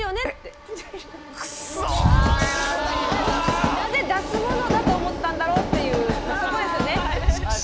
やられたなぜ出すものだと思ったんだろうっていうそこですよね・畜生！